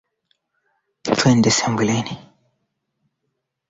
matangazo ni muhimu kuliko shughuli za utangazaji